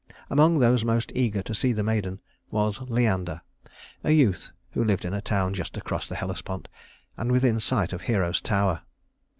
Among those most eager to see the maiden was Leander, a youth who lived in a town just across the Hellespont and within sight of Hero's tower.